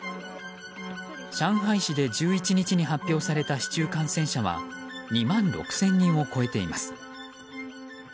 上海市で１１日に発表された市中感染者は２万６０００人を超えています。